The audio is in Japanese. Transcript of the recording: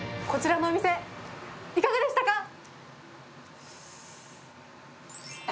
こちらのお店いかがでしたか？